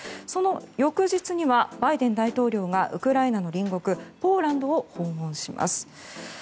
その翌日にはバイデン大統領がウクライナの隣国ポーランドを訪問します。